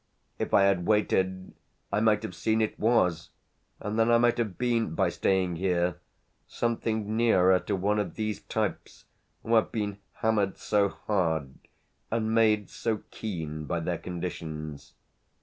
If I had waited I might have seen it was, and then I might have been, by staying here, something nearer to one of these types who have been hammered so hard and made so keen by their conditions.